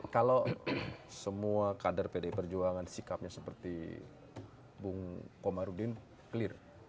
kalau semua kader pdi perjuangan sikapnya seperti bung komarudin clear